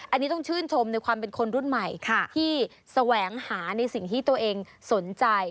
อันนี้ต้องชื่นชมในความเป็นคนรุ่นใหม่ที่แสวงหาในสิ่งที่ตัวเองสนใจ